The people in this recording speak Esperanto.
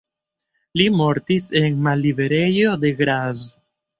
Li mortis en malliberejo de Graz.